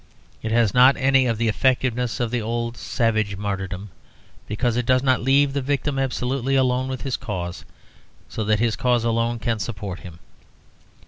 It has not any of the effectiveness of the old savage martyrdom, because it does not leave the victim absolutely alone with his cause, so that his cause alone can support him.